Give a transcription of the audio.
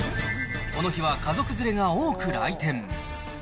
この日は家族連れが多く来店。